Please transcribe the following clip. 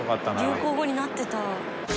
流行語になってた。